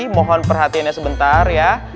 mohon perhatiannya sebentar ya